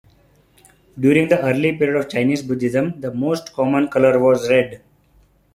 During the early period of Chinese Buddhism, the most common color was red.